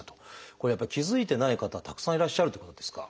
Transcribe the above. これやっぱり気付いてない方たくさんいらっしゃるってことですか？